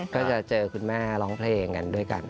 ก็จะเจอคุณแม่ร้องเพลงกันด้วยกัน